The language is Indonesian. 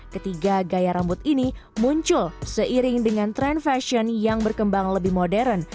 ketiga gaya rambut ini muncul seiring dengan tren fashion yang berkembang lebih modern